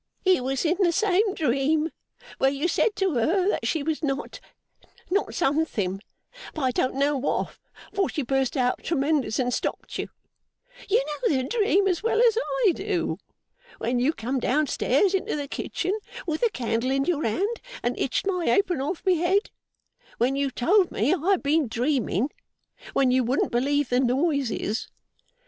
It was in the same dream where you said to her that she was not not something, but I don't know what, for she burst out tremendous and stopped you. You know the dream as well as I do. When you come down stairs into the kitchen with the candle in your hand, and hitched my apron off my head. When you told me I had been dreaming. When you wouldn't believe the noises.